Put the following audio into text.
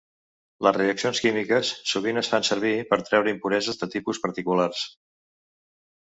Les reaccions químiques sovint es fan servir per treure impureses de tipus particulars.